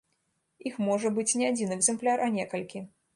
Іх можа быць не адзін экзэмпляр, а некалькі.